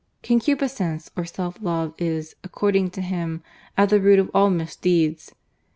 Concupiscence or self love is, according to him, at the root of all misdeeds.